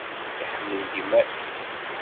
Iḥemmel gma-s.